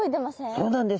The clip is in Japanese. そうなんです。